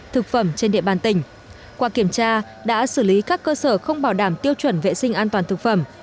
thực phẩm trên địa bàn tỉnh qua kiểm tra đã xử lý các cơ sở không bảo đảm tiêu chuẩn vệ sinh an toàn thực phẩm